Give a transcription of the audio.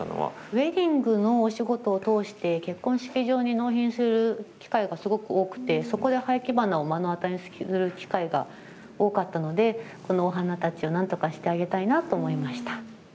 ウエディングの仕事を通して結婚式場に納品する機会がすごく多くて、そこで廃棄花を目の当たりにする機会が多かったので、このお花たちをなんとかしてあげたいなと思いました。